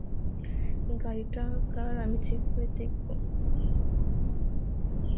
গাড়িটা কার আমি চেক করে দেখব।